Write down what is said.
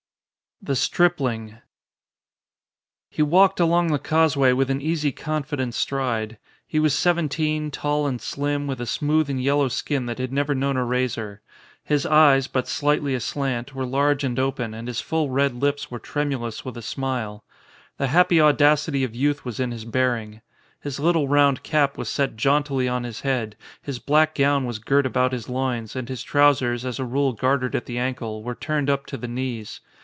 121 XXXI THE STRIPLING HE walked along the causeway with an easy confident stride. He was seven teen, tall and slim, with a smooth and yellow skin that had never known a razor. His eyes, but slightly aslant, were large and open and his full red lips were tremulous with a smile. The happy audacity of youth was in his bearing. His little round cap was set jauntily on his head, his black gown was girt about his loins, and his trousers, as a rule gartered at the ankle, were turned up to the knees.